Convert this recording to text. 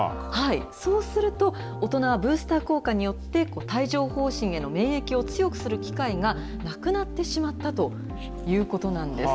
そうすると、大人はブースター効果によって帯状ほう疹への免疫を強くする機会が、なくなってしまったということなんです。